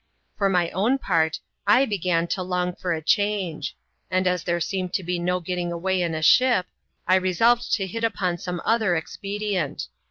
For my own part, I' began to long for a change; and as there seemed to be no getting away in a ship, I resolved to hit upon some other expedient.